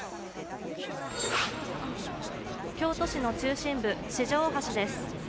京都市の中心部、四条大橋です。